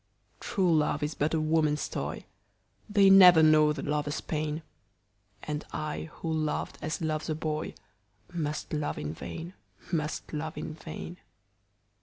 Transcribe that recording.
True love is but a woman's toy, They never know the lover's pain, And I who loved as loves a boyMust love in vain, must love in vain.